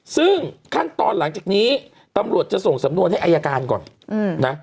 ซึ่งขั้นตอนหลังจากนี้ตำรวจจะส่งสำนวนให้อายการก่อนนะ